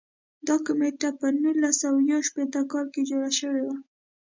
دا کمېټه په نولس سوه یو ویشت کال کې جوړه شوې وه.